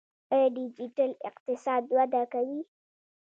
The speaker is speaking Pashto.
آیا ډیجیټل اقتصاد وده کوي؟